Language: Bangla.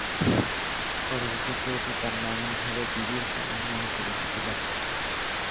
পরবর্তীতে এটি তার নাম অনুসারে "বিবির পুকুর" নামে পরিচিতি লাভ করে।